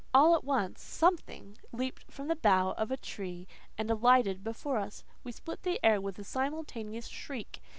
All at once something leaped from the bough of a tree and alighted before us. We split the air with a simultaneous shriek.